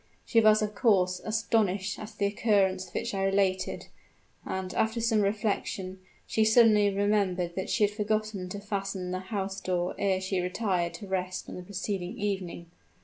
She was of course astounded at the occurrence which I related; and, after some reflection, she suddenly remembered that she had forgotten to fasten the house door ere she retired to rest on the preceding evening.